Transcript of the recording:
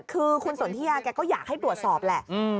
คือคุณสนทิยาแกก็อยากให้ตรวจสอบแหละ